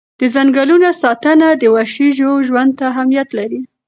د ځنګلونو ساتنه د وحشي ژوو ژوند ته اهمیت لري.